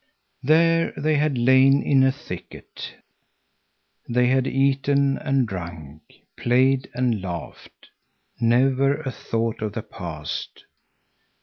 There they had lain in a thicket. They had eaten and drunk, played and laughed. Never a thought of the past!